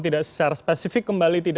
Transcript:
tidak secara spesifik kembali